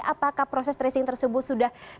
apakah proses tracing tersebut sudah dilakukan sepenuhnya